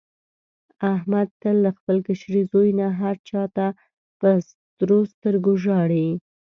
احمد تل له خپل کشري زوی نه هر چا ته په سرو سترګو ژاړي.